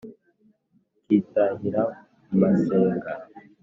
ikitahira mu masenga.